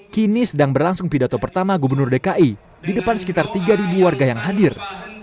kini sedang berlangsung pidato pertama gubernur dki di depan sekitar tiga warga yang hadir